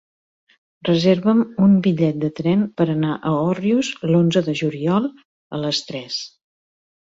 Reserva'm un bitllet de tren per anar a Òrrius l'onze de juliol a les tres.